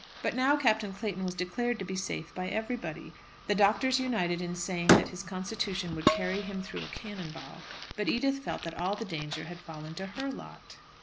But now Captain Clayton was declared to be safe by everybody. The doctors united in saying that his constitution would carry him through a cannon ball. But Edith felt that all the danger had fallen to her lot.